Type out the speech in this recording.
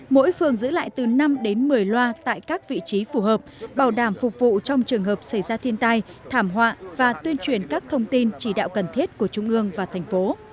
mỗi phường giữ lại từ năm đến một mươi loa tại các vị trí phù hợp bảo đảm phục vụ trong trường hợp xảy ra thiên tai thảm họa và tuyên truyền các thông tin chỉ đạo cần thiết của trung ương và thành phố